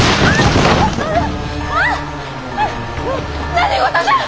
何事じゃ！